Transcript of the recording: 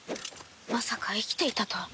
まさか生きていたとは。